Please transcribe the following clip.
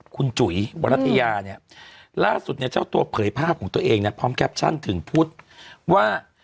คุณจุ๋ยวรัฐิยาล่าสุดเจ้าตัวเผยภาพของตัวเองพร้อมแกปชั่นถึงพูดว่า